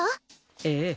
ええ。